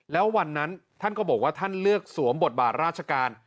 แล้ววันนั้นท่านก็บอกว่าท่านเลือกสวมบทบาทราชการ